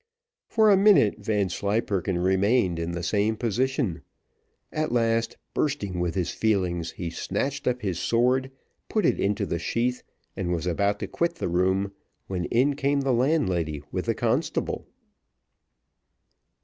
For a minute, Vanslyperken remained in the same position. At last, bursting with his feelings, he snatched up his sword, put it into the sheath, and was about to quit the room, when in came the landlady with the constable.